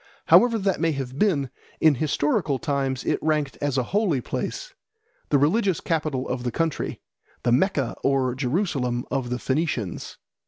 However that may have been, in historical times it ranked as a holy place, the religious capital of the country, the Mecca or Jerusalem of the Phoenicians.